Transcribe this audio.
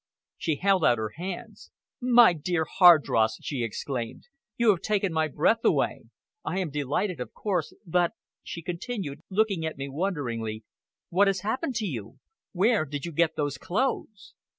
She held out her hands. "My dear Hardross!" she exclaimed. "You have taken my breath away! I am delighted, of course; but" she continued, looking at me wonderingly "what has happened to you? Where did you get those clothes?"